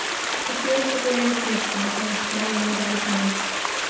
The field separated Princeton from the small nearby town.